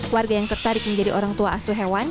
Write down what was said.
warga yang tertarik menjadi orang tua asuh hewan